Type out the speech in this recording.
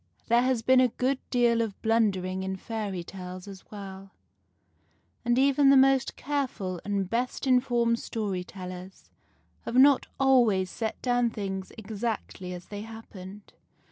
There has been a good deal of blundering in fairy tales as well, and even the most careful and best informed story tellers have not always set down things exactly as they happened.